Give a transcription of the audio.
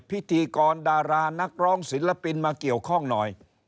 พิธีกรดารานักร้องศิลปินมาเกี่ยวข้องหน่อย